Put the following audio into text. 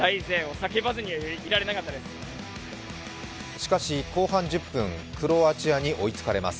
しかし後半１０分、クロアチアに追いつかれます。